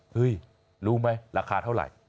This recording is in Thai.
รู้ไหมราคาเท่าไหร่